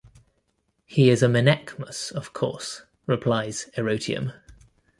He is Menaechmus, of course, replies Erotium.